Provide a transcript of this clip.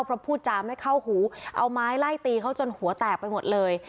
เพราะพูดจาไม่เข้าหูเอาไม้ไล่ตีเขาจนหัวแตกไปหมดเลย